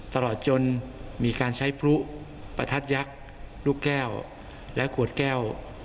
ตลอดจนมีการใช้พลุประทัดยักษ์ลูกแก้วและขวดแก้ว